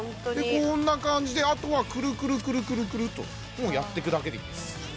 こんな感じであとはくるくるくるくるくるともうやってくだけでいいんです